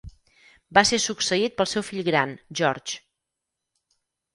Va ser succeït pel seu fill gran, George.